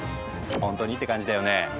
ほんとに？って感じだよね。